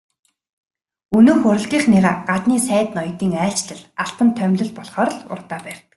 Өнөөх урлагийнхныгаа гаднын сайд ноёдын айлчлал, албан томилолт болохоор л урдаа барьдаг.